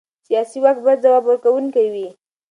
سیاسي واک باید ځواب ورکوونکی وي